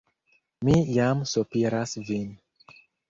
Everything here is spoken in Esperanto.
Mi jam sopiras vin.